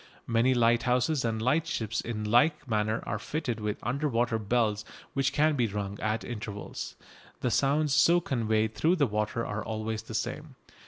Many lighthouses and lightships in like manner are fitted with under water bells which can be rung at intervals. The sounds so conveyed through the water are always the same.